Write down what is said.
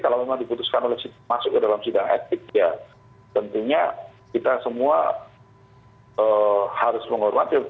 kalau memang diputuskan oleh masuk ke dalam sidang etik ya tentunya kita semua harus menghormati